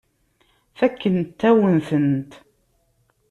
Fakkent-awen-tent.